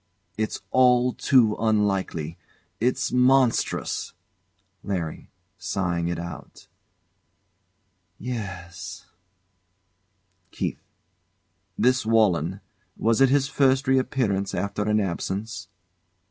It's all too unlikely. It's monstrous! LARRY. [Sighing it out] Yes. KEITH. This Walenn was it his first reappearance after an absence?